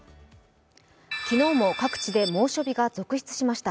昨日も各地で猛暑日が続出しました。